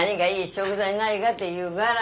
食材ないがって言うがら。